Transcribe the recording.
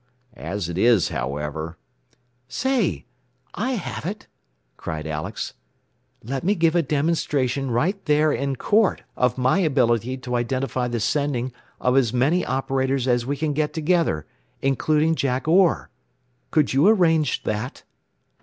As it is, however " "Say, I have it!" cried Alex. "Let me give a demonstration right there in court of my ability to identify the sending of as many different operators as we can get together, including Jack Orr. Could you arrange that?"